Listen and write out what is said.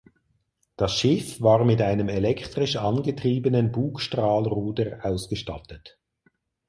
Das Schiff war mit einem elektrisch angetriebenen Bugstrahlruder ausgestattet.